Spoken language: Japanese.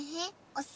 おす